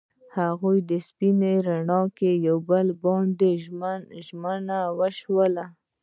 هغوی په سپین رڼا کې پر بل باندې ژمن شول.